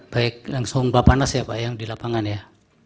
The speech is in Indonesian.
baik langsung bapak nas ya pak yang di lapangan ya